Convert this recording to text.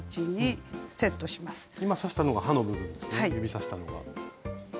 今指したのが刃の部分ですね指さしたのが。